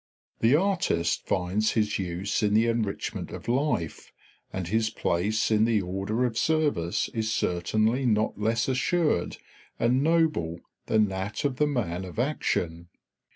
The artist finds his use in the enrichment of life, and his place in the order of service is certainly not less assured and noble than that of the man of action.